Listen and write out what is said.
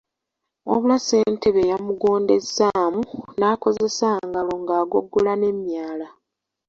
Wabula ssentebe yamugondezzaamu n’akozesa ngalo n’agogola n’emyala.